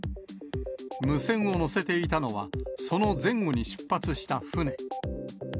無線を載せていたのは、その前後に出発した船。